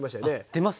出ます。